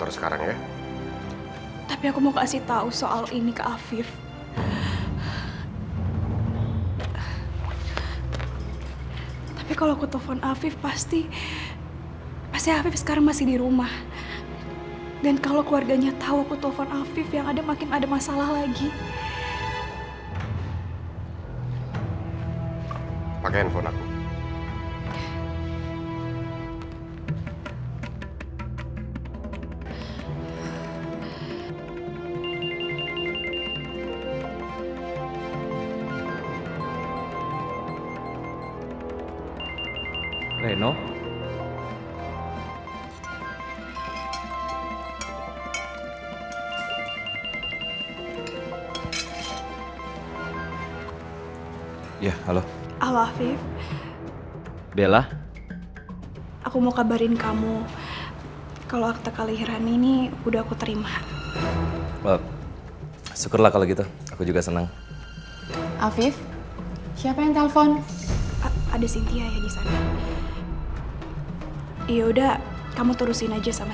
sampai jumpa di video selanjutnya